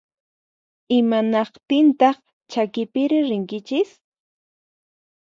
Imanaqtintaq chakipiri rinkichis?